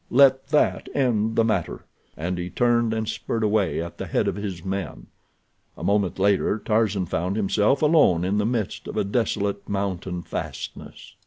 Let that end the matter," and he turned and spurred away at the head of his men. A moment later Tarzan found himself alone in the midst of a desolate mountain fastness.